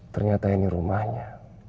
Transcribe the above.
ternyata ini rumahnya